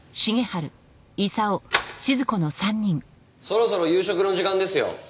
そろそろ夕食の時間ですよ。